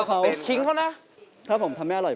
ถ้าผมทำให้น่ากูไม่สิบแล้ว